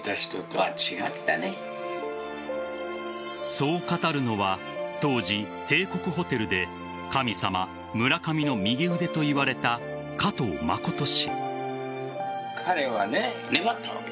そう語るのは当時、帝国ホテルで神様・村上の右腕といわれた加藤信氏。